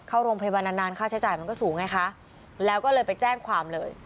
เข้าโรงพยาบาลนานนานค่าใช้จ่ายมันก็สูงไงคะแล้วก็เลยไปแจ้งความเลย